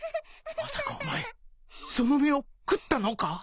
まさかお前その実を食ったのか！